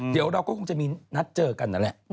เดี๋ยวเราก็คงจะมีนัดเจอกันนั่นแหละ